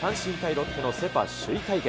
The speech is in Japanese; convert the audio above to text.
ロッテのセ・パ首位対決。